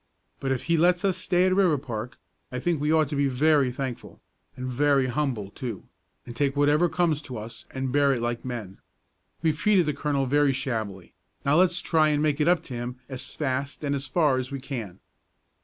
But if he lets us stay at Riverpark, I think we ought to be very thankful, and very humble, too, and take whatever comes to us, and bear it like men. We've treated the colonel very shabbily; now let's try and make it up to him as fast and as far as we can."